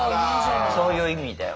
そういう意味では。